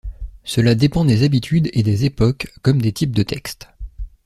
Cela dépend des habitudes et des époques comme des types de textes.